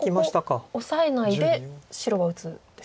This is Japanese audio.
ここオサえないで白は打つんですか。